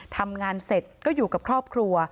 ทำงานเสร็จก็อยู่กับครอบครัว